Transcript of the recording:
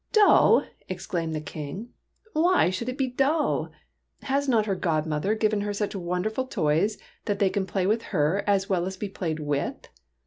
" Dull !" exclaimed the King. '' Why should it be dull ? Has not her godmother given her such wonderful toys that they can play with her as well as be played with